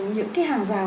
những cái hàng rào